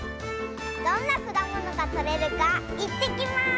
どんなくだものがとれるかいってきます！